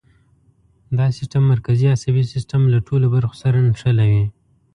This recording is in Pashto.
دا سیستم مرکزي عصبي سیستم له ټولو برخو سره نښلوي.